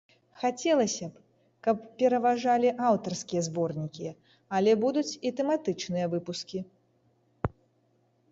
Хацелася б, каб пераважалі аўтарскія зборнікі, але будуць і тэматычныя выпускі.